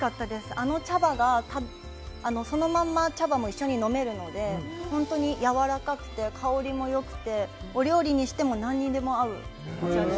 あの茶葉は、そのまんま茶葉も一緒に飲めるので、本当にやわらかくて香りもよくて、お料理にしても何にでも合うお茶でした。